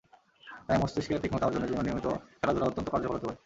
তাই মস্তিষ্কের তীক্ষ্ণতা অর্জনের জন্য নিয়মিত খেলাধুলা অত্যন্ত কার্যকর হতে পারে।